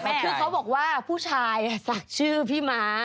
คือเขาบอกว่าผู้ชายสักชื่อพี่ม้า